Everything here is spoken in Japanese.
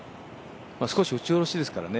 少し打ち下ろしですからね。